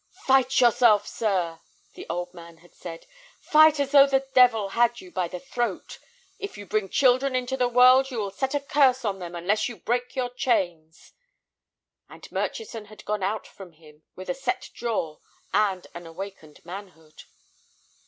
"Fight yourself, sir," the old man had said; "fight as though the devil had you by the throat. If you bring children into the world you will set a curse on them unless you break your chains." And Murchison had gone out from him with a set jaw and an awakened manhood.